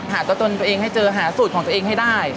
หาตัวตนตัวเองให้เจอหาสูตรของตัวเองให้ได้